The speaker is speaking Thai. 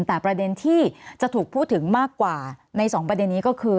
แต่ประเด็นที่จะถูกพูดถึงมากกว่าในสองประเด็นนี้ก็คือ